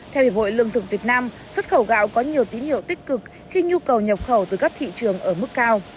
theo hiệp hội lương thực việt nam xuất khẩu gạo có nhiều tín hiệu tích cực khi nhu cầu nhập khẩu từ các thị trường ở mức cao